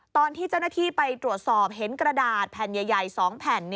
ตอนที่เจ้าหน้าที่ไปตรวจสอบเห็นกระดาษแผ่นใหญ่๒แผ่น